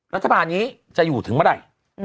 รัฐบาลนี้จะอยู่ถึงเมื่อไหร่